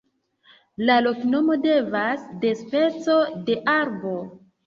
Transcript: La loknomo devenas de speco de arbo.